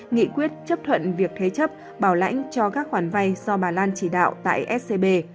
nghị quyết chấp thuận việc thế chấp bảo lãnh cho các khoản vay do bà lan chỉ đạo tại scb